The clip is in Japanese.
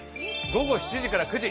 午後７時から９時。